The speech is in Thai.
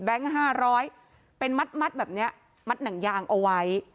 แบงค์ห้าร้อยเป็นมัดมัดแบบเนี้ยมัดหนังยางเอาไว้